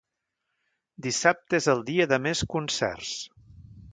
Dissabte és el dia de més concerts.